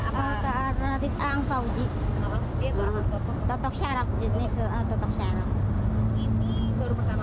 lutfi sudah selesai menjalannya tapi dia tak bisa berusaha untuk menjalannya